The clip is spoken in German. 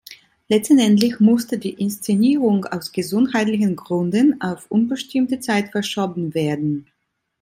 Letztendlich musste die Inszenierung aus gesundheitlichen Gründen auf unbestimmte Zeit verschoben werden.